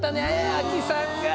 アキさんが。ね！